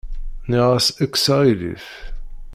Nniɣ-as kkes aɣilif.